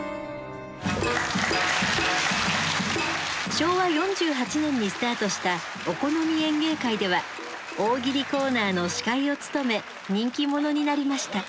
昭和４８年にスタートした「お好み演芸会」では大喜利コーナーの司会を務め人気者になりました。